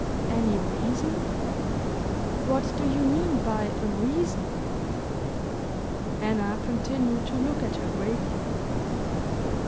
"Any reason ? What do you mean by a reason?" Anna continued to look at her gravely.